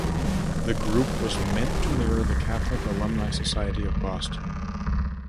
The group was meant to mirror the Catholic Alumni Society of Boston.